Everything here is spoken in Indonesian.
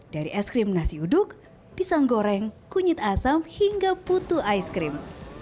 dari es krim nasi uduk pisang goreng kunyit asam hingga putu ice cream